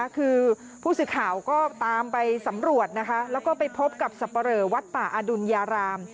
คือผู้สื่อข่าวก็ตามไปสำรวจนะคะแล้วก็ไปพบกับสับปะเหลอวัดป่าอดุญญาราม